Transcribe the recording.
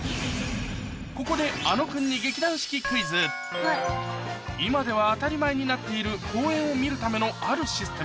ここであの君に今では当たり前になっている公演を見るためのあるシステム